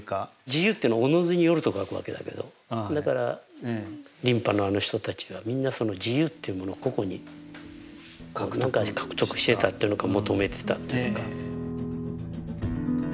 「自由」っていうのは自ずに由ると書くわけだけどだから琳派のあの人たちはみんなその自由っていうものを個々に獲得してたというのか求めてたというか。